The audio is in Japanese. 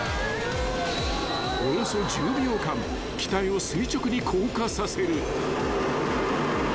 ［およそ１０秒間機体を垂直に降下させる］